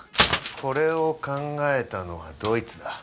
これを考えたのはどいつだ？